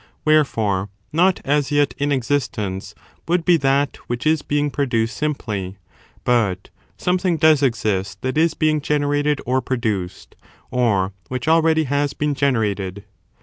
Wherefore, not as yet in existence would be that which is being produced simply; but something does exist that is being generated or produced, or which already has been generated.